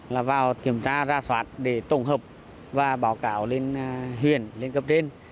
là vào kiểm tra ra soát để tổng hợp và báo cáo lên huyện lên cấp trên